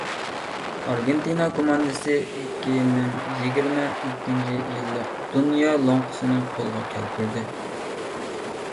ئارگېنتىنا كوماندىسى ئىككى مىڭ يىگىرمە ئىككىنچى يىللىق دۇنيا لوڭقىسىنى قولغا كەلتۈردى.